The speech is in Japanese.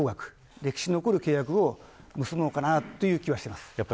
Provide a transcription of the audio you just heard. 歴史に残る契約を結ぶのかなという気はしています。